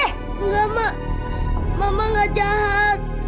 enggak ma mama gak jahat